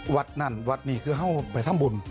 วัดนั่นวัดนี้คือเขาไปทำบุญ